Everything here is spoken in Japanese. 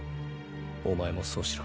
お前もそうしろ。